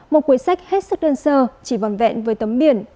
một cuốn sách hết sức đơn sơ chỉ vòn vẹn với tấm biển